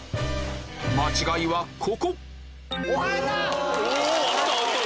間違いはここ！